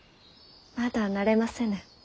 まだ慣れませぬ。